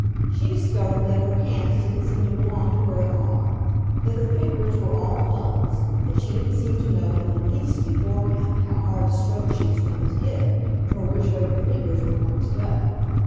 She discovered that her hands didn't seem to belong to her at all, that her fingers were all thumbs, that she didn't seem to know in the least beforehand how hard a stroke she was going to give nor which way her fingers were going to go.